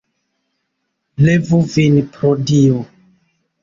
Levu vin, pro Dio!